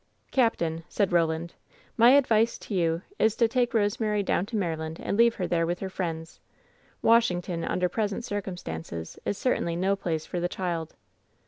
"Captain," said Roland, "my advice to you is to take Rosemary down to !^laryland and leave her there with her friends. Washington, imder present circumstances, is certainly no place for the child."